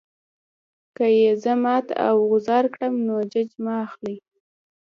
که یې زه مات او غوځار کړم نو ججه مه اخلئ.